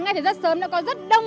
ngay thời gian sớm đã có rất đông hồn